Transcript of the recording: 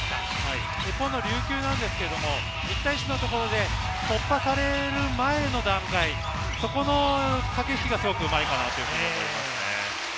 一方の琉球は１対１のところで突破される前の段階、そこの駆け引きがすごくうまいかなと思いますね。